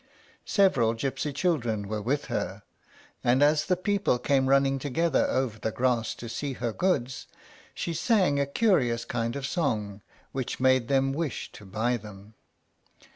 Several gypsy children were with her, and as the people came running together over the grass to see her goods, she sang a curious kind of song, which made them wish to buy them.